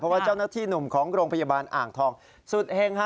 เพราะว่าเจ้าหน้าที่หนุ่มของโรงพยาบาลอ่างทองสุดเฮงฮะ